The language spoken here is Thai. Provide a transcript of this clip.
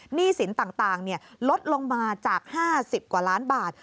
หนี้สินต่างลดลงมาจาก๕๐กว่าล้านบาท